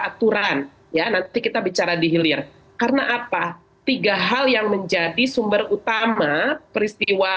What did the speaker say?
aturan ya nanti kita bicara dihilir karena apa tiga hal yang menjadi sumber utama peristiwa